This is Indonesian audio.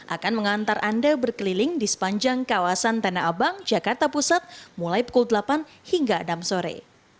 akan mengantar anda berkeliling di sepanjang kawasan tanah abang jakarta pusat mulai pukul delapan hingga enam sore